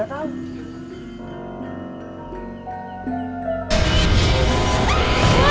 ada yang ngajakannya